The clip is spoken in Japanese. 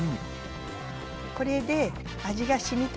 これで味がしみたわよ。